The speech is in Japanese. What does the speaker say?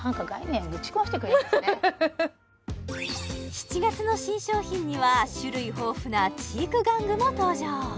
７月の新商品には種類豊富な知育玩具も登場